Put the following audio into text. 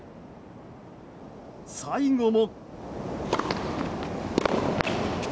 最後も。